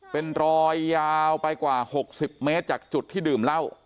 เป็นรอยยาวไปกว่า๖๐เมตรจากจุดที่ดื่มเหล้า